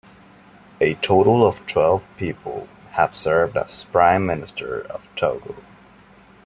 A total of twelve people have served as Prime Minister of Togo.